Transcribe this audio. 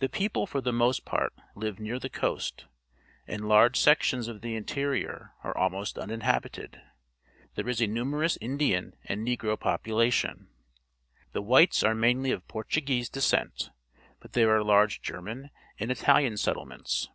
The people for the most part live near the coast, and large sections of the interior are almost unin habited. There is a numerous Indian and Negro population. The whites are mamly of Portuguese descent, but there are large Gennan and Itahan settlements.